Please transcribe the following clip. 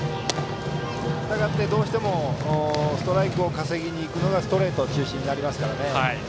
したがって、どうしてもストライクを稼ぎにいくのがストレート中心になりますからね。